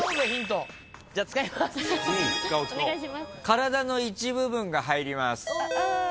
体の一部分が入ります。